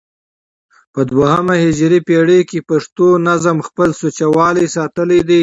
په دوهمه هجري پېړۍ کښي پښتو نظم خپل سوچه والى ساتلى دئ.